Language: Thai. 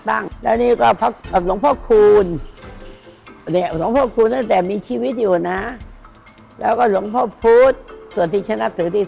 ตั้งแล้วนี่ก็พระพุทธเจ้าหลวงเนี่ยอันนี้ชั้นน่าถือ